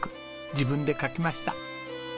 自分で描きました。